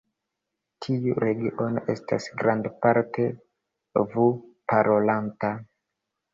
Tiu regiono estas grandparte vu-parolanta.